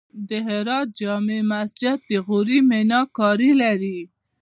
د هرات جمعې مسجد د غوري میناکاري لري